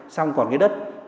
xong còn cái đất